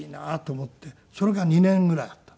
それが２年ぐらいあったの。